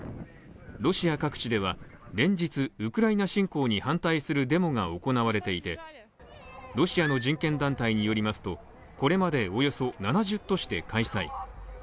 ロシア各地では連日、ウクライナ侵攻に反対するデモが行われていてロシアの人権団体によりますと、これまでおよそ７０都市で開催。